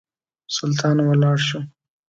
سلطان ولاړ شو.